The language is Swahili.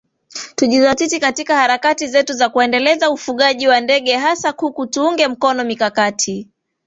tujizatiti katika harakati zetu za kuendeleza ufugaji wa ndege hasa kuku Tuunge mkono mikakati